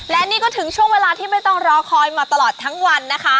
และนี่ก็ถึงช่วงเวลาที่ไม่ต้องรอคอยมาตลอดทั้งวันนะคะ